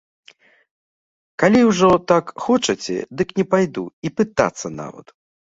Калі ўжо так хочаце, дык не пайду і пытацца нават.